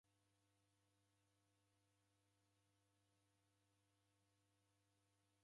W'andu w'elaswa na rija bomu ra mbori.